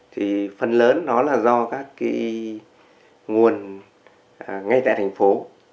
thì phần lớn đó là do các nguồn ngay tại thành phố